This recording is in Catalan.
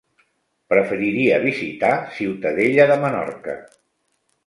Preferiria visitar Ciutadella de Menorca.